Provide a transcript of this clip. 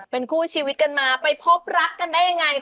เป็นคู่ชีวิตกันมาไปพบรักกันได้ยังไง